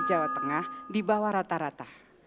jawa tengah di bawah rata rata